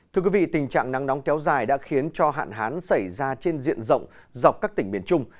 thưa quý vị tình trạng nắng nóng kéo dài đã khiến cho hạn hán xảy ra trên diện rộng dọc các tỉnh miền trung